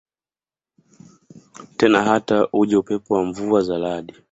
tena Hata uje upepo na mvua za radi